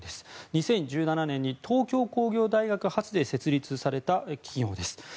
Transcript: ２０１７年に東京工業大学発で設立された企業です。